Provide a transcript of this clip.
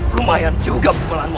kamu ingin memunuh